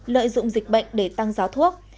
lợi dụng dịch bệnh để tăng giáo thuốc